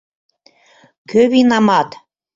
Кӧ винамат?